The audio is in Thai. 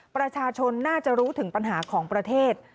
ประชาชนน่าจะรู้ถึงปัญหาของประเทศ